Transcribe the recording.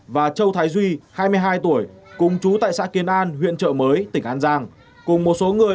và châu thái duy hai mươi hai tuổi cùng chú tại xã kiến an huyện trợ mới tỉnh an giang cùng một số người